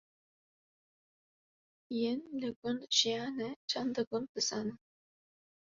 yên li gund jiyane çanda gund dizanin